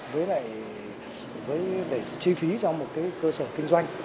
với lại chi phí cho một cái cơ sở kinh doanh